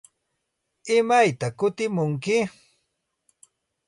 ¿Imaytaq kutimunki?